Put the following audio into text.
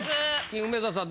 梅沢さん